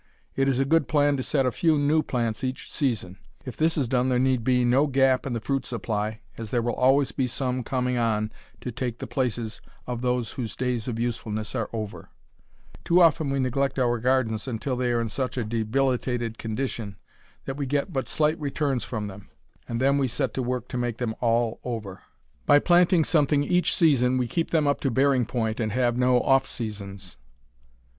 It is a good plan to set a few new plants each season. If this is done there need be no gap in the fruit supply, as there will always be some coming on to take the places of those whose days of usefulness are over. Too often we neglect our gardens until they are in such a debilitated condition that we get but slight returns from them, and then we set to work to make them all over, and in this way we fail to get as much out of them as we ought to. By planting something each season we keep them up to bearing point, and have no "off seasons."